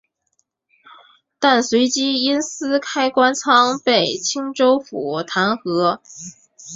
但随即因私开官仓被青州府弹劾。